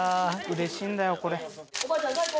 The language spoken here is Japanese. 嬉しいんだよこれ。